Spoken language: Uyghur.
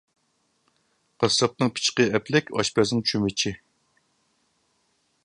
قاسساپنىڭ پىچىقى ئەپلىك، ئاشپەزنىڭ چۆمۈچى.